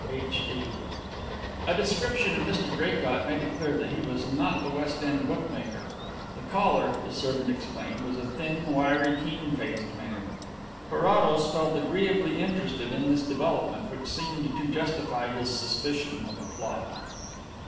H. D." A description of Mr Draycott made it clear that he was not the West End bookmaker. The caller, the servant explained, was a thin, wiry, keen faced man. Carrados felt agreeably interested in this development, which seemed to justify his suspicion of a plot.